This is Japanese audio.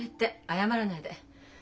謝らないで。